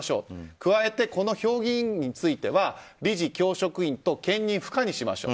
加えて、評議員については理事、教職員と兼任不可にしましょう。